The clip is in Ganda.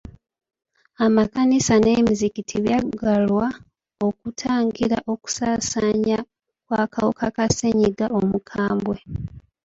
Amakkanisa n'emizikiti byaggalwa okutangira okusaasaanya kw'akawuka ka ssenyiga omukambwe.